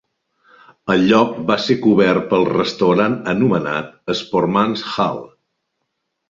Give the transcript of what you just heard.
El lloc va ser cobert pel restaurant anomenat "Sportsman's Hall".